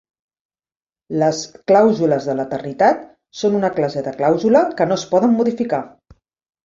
Les "clàusules de l'eternitat" són una classe de clàusula que no es poden modificar.